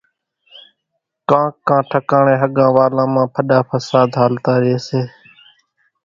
ڪانڪ ڪان ٺڪاڻين ۿڳان والان مان ڦڏا ڦساۮ هالتا ريئيَ سي۔